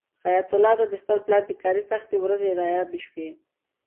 حیات الله ته د خپل پلار د کاري سختۍ ورځې رایادې شوې.